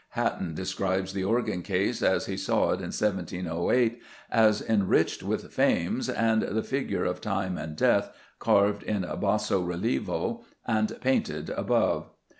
Hatton describes the organ case as he saw it in 1708 as "enriched with Fames, and the figures of Time and Death, carved in basso relievo and painted, above."